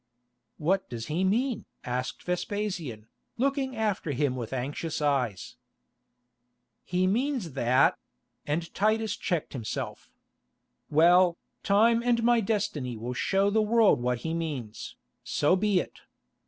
"What does he mean?" asked Vespasian, looking after him with anxious eyes. "He means that——" and Titus checked himself. "Well, time and my destiny will show the world what he means. So be it.